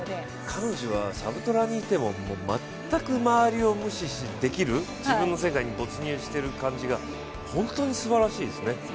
彼女はサブトラにいても、全く周りを無視できる自分の世界に没入してる感じが本当にすばらしいですね。